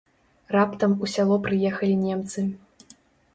Раптам у сяло прыехалі немцы.